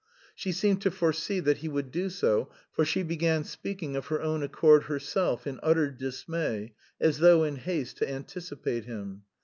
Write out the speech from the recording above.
She seemed to foresee that he would do so, for she began speaking of her own accord herself, in utter dismay, as though in haste to anticipate him.